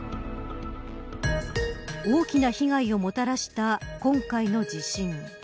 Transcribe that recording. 大きな被害をもたらした今回の地震。